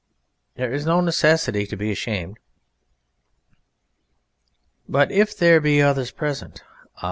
There is no necessity to be ashamed. But if there be others present? Ah!